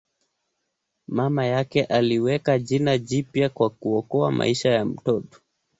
Mama yake aliweka jina jipya kwa kuokoa maisha ya mtoto.